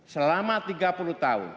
selama tiga puluh tahun